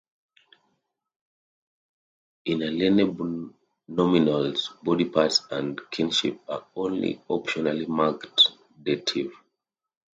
Inalienable nominals (body parts and kinship) are only optionally marked dative.